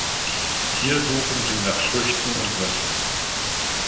Hier suchen sie nach Früchten und Nüssen.